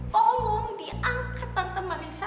tolong diangkat tante marissa